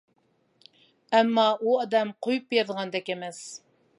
ئەمما ئۇ ئادەم قويۇپ بېرىدىغاندەك ئەمەس.